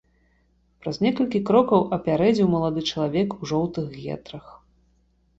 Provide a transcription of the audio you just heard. Праз некалькі крокаў апярэдзіў малады чалавек у жоўтых гетрах.